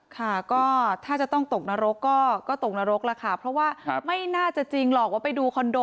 ค่ะก็ถ้าจะต้องตกนรกก็ตกนรกแล้วค่ะเพราะว่าไม่น่าจะจริงหรอกว่าไปดูคอนโด